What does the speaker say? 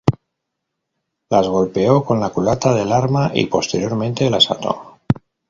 Las golpeó con la culata del arma y posteriormente las ató.